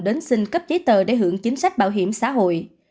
đến xin cấp giấy tờ để hưởng chính sách bảo hiểm xã hội